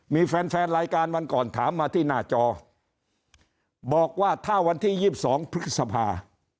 มีแฟนแฟนรายการวันก่อนถามมาที่หน้าจอบอกว่าถ้าวันที่๒๒พฤษภา